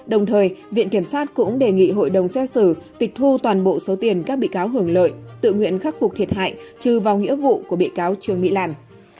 đồng thời viện kiểm sát cũng đề nghị hội đồng xét xử tịch thu toàn bộ số tiền các bị cáo hưởng lợi tự nguyện khắc phục thiệt hại trừ vào nghĩa vụ của bị cáo trương mỹ lan